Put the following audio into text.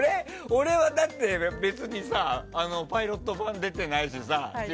俺はだって別にさパイロット版に出てないしさ。